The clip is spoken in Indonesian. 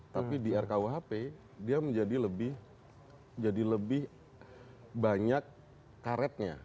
tapi di rkuhp dia menjadi lebih banyak karetnya